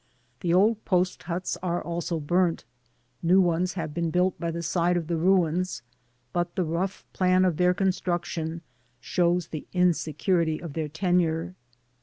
The old post^huts are also burnt— ^lew ones have been built by the side of die ruins, but the rough plan of thor construction shows the inseou^ pity of thrir tenure.